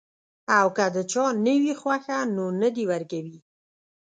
او کۀ د چا نۀ وي خوښه نو نۀ دې ورکوي -